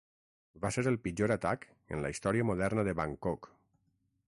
Va ser el pitjor atac en la història moderna de Bangkok.